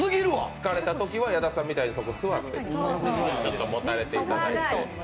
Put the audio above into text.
疲れたときは矢田さんみたいにそこにもたれてもらって。